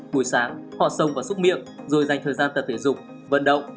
buổi sáng họ sông và xúc miệng rồi dành thời gian tập thể dục vận động